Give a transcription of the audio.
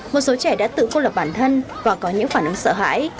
một số trẻ đã tự cô lập bản thân và có những phản ứng sợ hãi